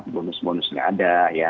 bonus bonus nggak ada ya